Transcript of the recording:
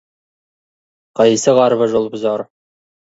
Қисық арба жол бұзар.